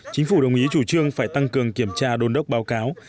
chính phủ đồng ý chủ trương phải tăng cường kiểm tra đồn đốc báo cáo